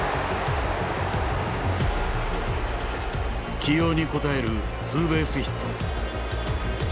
起用に応えるツーベースヒット。